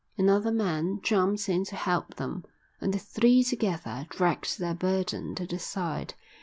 Another man jumped in to help them, and the three together dragged their burden to the side.